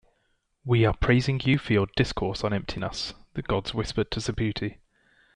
"We are praising you for your discourse on emptiness," the gods whispered to Subhuti.